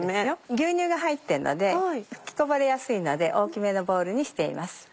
牛乳が入ってるので吹きこぼれやすいので大きめのボウルにしています。